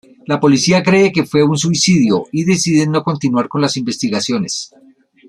La policía cree que fue un suicidio y deciden no continuar con las investigaciones.